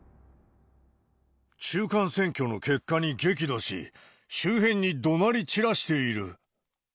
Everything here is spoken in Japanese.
中間選挙の結果に激怒し、周辺にどなり散らしている。